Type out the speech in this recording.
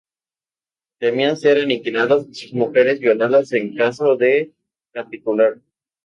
Temían ser aniquilados y sus mujeres violadas en caso de capitular.